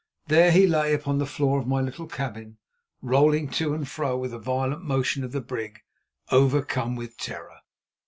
There he lay upon the floor of my little cabin, rolling to and fro with the violent motion of the brig, overcome with terror.